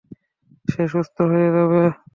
সে সুস্থ হয়ে যাবে।